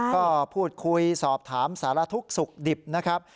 ก็พูดคุยสอบถามสารทุกข์สุขดิบนะครับ